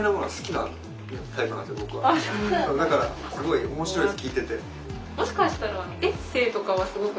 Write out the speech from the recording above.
だからすごい面白いです聞いてて。